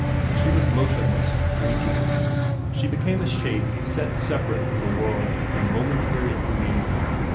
She was motionless, drinking. She became a shape set separate from the world in a momentary gleam.